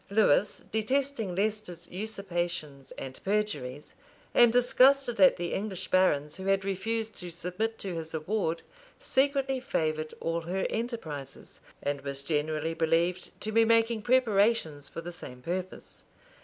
Lewis, detesting Leicester's usurpations and perjuries, and disgusted at the English barons, who had refused to submit to his award, secretly favored all her enterprises, and was generally believed to be making preparations for the same purpose.